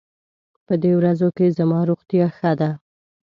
په دې ورځو کې زما روغتيا ښه ده.